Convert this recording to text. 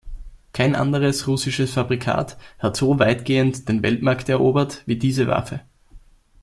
Kein anderes russisches Fabrikat hat so weitgehend den Weltmarkt erobert wie diese Waffe.